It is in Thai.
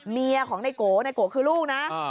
เมียของในโกในโกคือลูกนะ